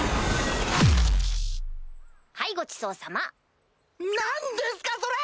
はいごちそうさま。何ですかそれ！